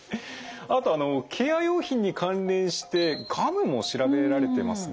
あとあのケア用品に関連して「ガム」も調べられてますね。